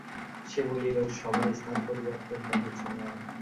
সে বলিল, সভার স্থান-পরিবর্তনটা কিছু নয়।